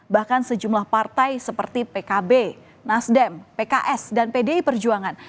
bahkan sejumlah partai seperti pkb nasdem pks dan pdi perjuangan